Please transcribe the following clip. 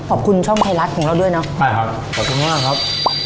ขอบคุณช่องไทยรัฐของเราด้วยเนอะใช่ครับขอบคุณมากครับ